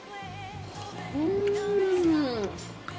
うん。